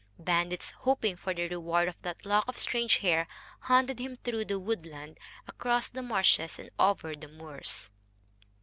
Bandits, hoping for the reward of that lock of strange hair, hunted him through the woodland, across the marshes, and over the moors.